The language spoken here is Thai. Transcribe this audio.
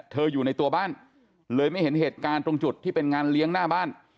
อยู่ในตัวบ้านเลยไม่เห็นเหตุการณ์ตรงจุดที่เป็นงานเลี้ยงหน้าบ้าน